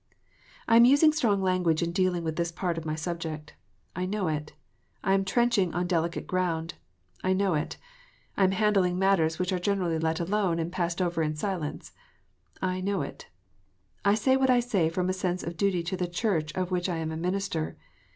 I am using strong language in dealing with this part of my subject : I know it. I am trenching on delicate ground : I know it. I am handling matters which are generally let alone, and passed over in silence : I know it. I say what I say from a sense of duty to the Church of which I am a minister.